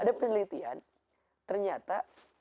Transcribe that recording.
ada penelitian ternyata